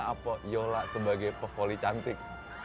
apa yola sebagai pevoli cantik